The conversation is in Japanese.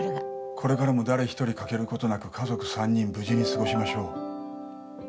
これからも誰一人欠けることなく家族三人無事に過ごしましょう。